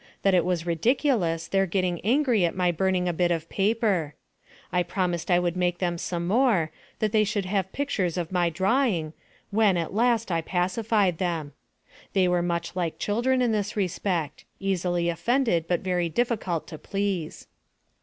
That it was ridiculous, their getting angry at my burning a bit of AMONG THE SIOUX INDIANS. 145 paper. I promised I would make them some more; that they should have pictures of my drawing, when, at last, I pacified them. They were much like children in this respect easily offended, but very difficult to please.